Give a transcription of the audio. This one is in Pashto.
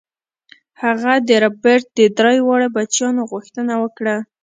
هغه د ربیټ د درې واړو بچیانو غوښتنه هم وکړه